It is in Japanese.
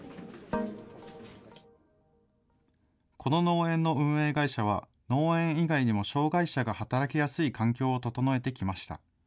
この農園の運営会社は、農園以外にも障害者が働きやすい環境を整えてきました。